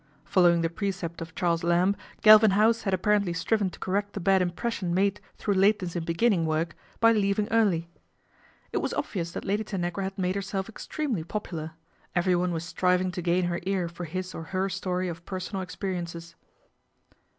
Following the precept of Charles Lamb, Galvin House had apparently striven to correct the bad impression made through lateness in beginning work by leaving early. It was obvious that Lady Tanagra had made herself extremely popular. Everyone was striving ko gain her ear for his or her story of personal experiences.